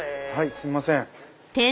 すいません。